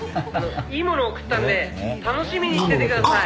いいもの送ったんで楽しみにしててください」